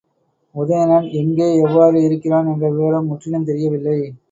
உதயணன் எங்கே எவ்வாறு இருக்கிறான்? என்ற விவரம் முற்றிலும் தெரியவில்லை.